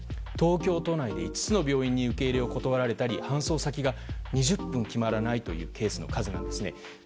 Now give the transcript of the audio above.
東京都内の５つの病院に受け入れを断られたり搬送先が２０分決まらないというケースも数多くあります。